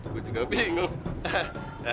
gua juga bingung